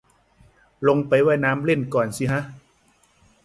ลงไปว่ายน้ำเล่นก่อนสิฮะ